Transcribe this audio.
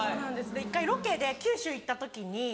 １回ロケで九州行った時に。